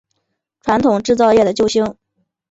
传统制造业的救星